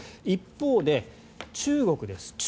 一方で中国です。